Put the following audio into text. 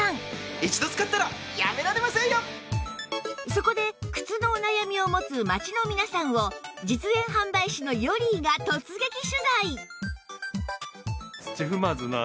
そこで靴のお悩みを持つ街の皆さんを実演販売士のヨリーが突撃取材